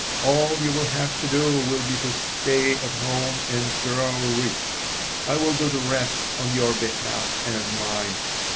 All you will have to do will be to stay at home and grow rich: I will do the rest on your behalf and mine.